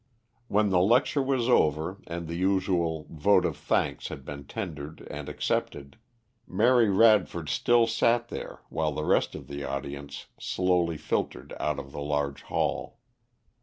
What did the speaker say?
When the lecture was over, and the usual vote of thanks had been tendered and accepted, Mary Radford still sat there while the rest of the audience slowly filtered out of the large hall.